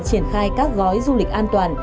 triển khai các gói du lịch an toàn